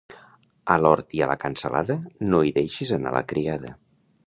A l'hort i a la cansalada, no hi deixis anar la criada.